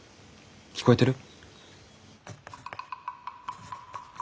聞こえてる？